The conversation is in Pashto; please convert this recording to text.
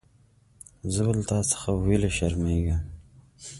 زه به له تا څخه ویلي شرمېږم.